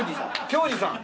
京二さん。